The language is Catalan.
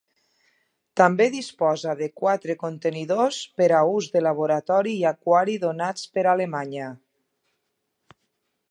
També disposa de quatre contenidors per a ús de laboratori i aquari donats per Alemanya.